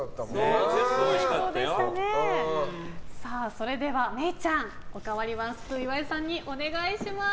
それでは、愛以ちゃんおかわりワンスプーン岩井さんにお願いします。